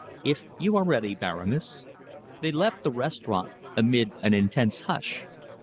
"If you are ready, Baroness." They left the restaurant amid an intense hush.